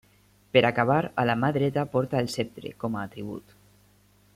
Per acabar, a la mà dreta porta el ceptre, com a atribut.